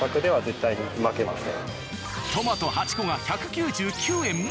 トマト８個が１９９円？